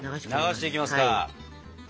流していきますか。